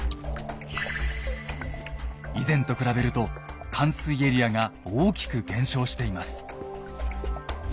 以前と比べると冠水エリアが大きく減少しています。